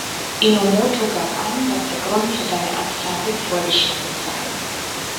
Enomoto gab an, dass der Grund für seine Absage vorgeschoben sei.